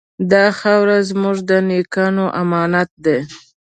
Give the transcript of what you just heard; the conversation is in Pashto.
دا خاوره زموږ د نیکونو امانت دی.